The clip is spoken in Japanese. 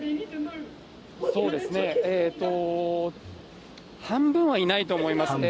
そうですね、半分はいないと思いますね。